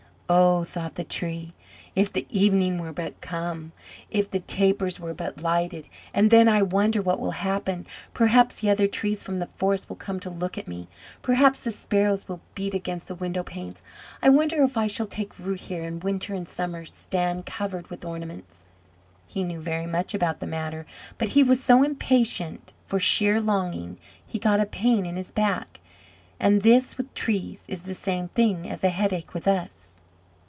"Oh," thought the Tree, "if the evening were but come! If the tapers were but lighted! And then I wonder what will happen! Perhaps the other trees from the forest will come to look at me! Perhaps the sparrows will beat against the window panes! I wonder if I shall take root here, and winter and summer stand covered with ornaments!" He knew very much about the matter! but he was so impatient that for sheer longing he got a pain in his back, and this with trees is the same thing as a headache with us.